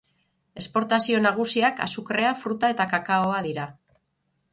Esportazio nagusiak azukrea, fruta eta kakaoa dira.